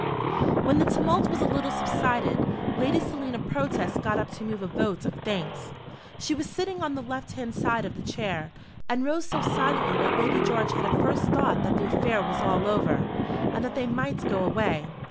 When the tumult was a little subsided, Lady Selina Protest got up to move a vote of thanks. She was sitting on the left hand side of the Chair, and rose so silently that Lady George had at first thought that the affair was all over, and that they might go away.